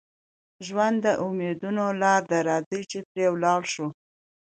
ژوند د امیدونو لاره ده، راځئ چې پرې ولاړ شو.